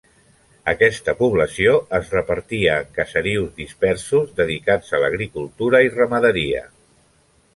Aquesta població es repartia en caserius dispersos dedicats a l'agricultura i ramaderia.